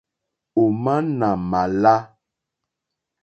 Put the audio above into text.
Ò má nà mà lá.